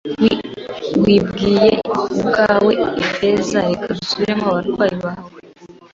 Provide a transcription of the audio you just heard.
wibwiye ubwawe, Ifeza. Reka dusubiremo abo barwayi bawe. ”